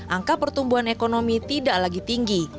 angka pertumbuhan ekonomi tidak lagi tinggi